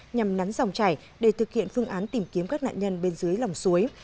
nhằm nắn dòng chảy để thực hiện phương án tìm kiếm các nạn nhân bên dưới lòng suối